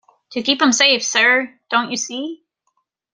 To keep 'em safe, sir, don't you see?